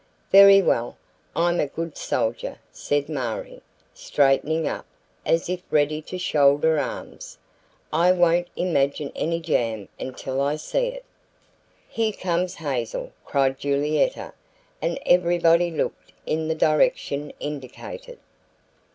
"Very well; I'm a good soldier," said Marie, straightening up as if ready to "shoulder arms." "I won't imagine any jam until I see it." "Here comes Hazel," cried Julietta, and everybody looked in the direction indicated.